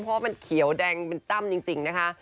เพราะว่ามันเขียวแดงเป็นจ้ำจริงนะคะ